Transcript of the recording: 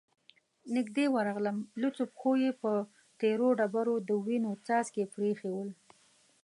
نږدې ورغلم، لوڅو پښو يې په تېرو ډبرو د وينو څاڅکې پرېښي ول،